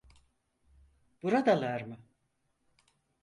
Buradalar mı?